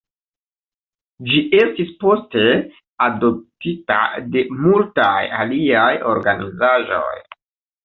Ĝi estis poste adoptita de multaj aliaj organizaĵoj.